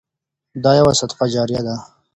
دا يو صدقه جاريه ده.